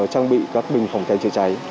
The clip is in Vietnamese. đang bị các bình phòng cháy trị cháy